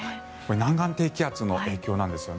南岸低気圧の影響なんですよね。